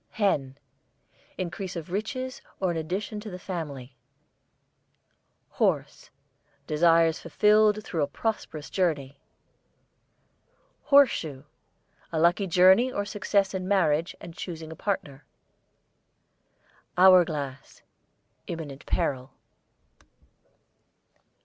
HEN, increase of riches or an addition to the family. HORSE, desires fulfilled through a prosperous journey. HORSE SHOE, a lucky journey or success in marriage and choosing a partner. HOUR GLASS, imminent peril.